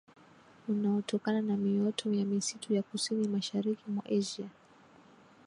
unaotokana na mioto ya misitu ya Kusini Mashariki mwa Asia